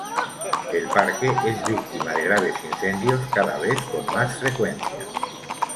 El parque es víctima de graves incendios cada vez con más frecuencia.